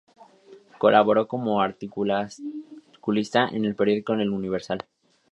Colaboró como articulista en el periódico "El Universal".